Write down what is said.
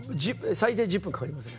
最低１０分かかりますね。